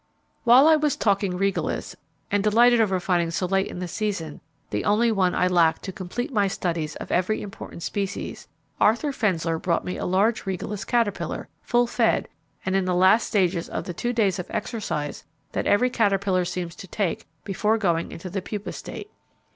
While I was talking Regalis, and delighted over finding so late in the season the only one I lacked to complete my studies of every important species, Arthur Fensler brought me a large Regalis caterpillar, full fed, and in the last stages of the two days of exercise that every caterpillar seems to take before going into the pupa state.